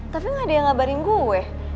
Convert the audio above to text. tapi gak ada yang ngabarin gue